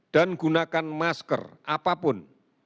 dan gunakan masker apapun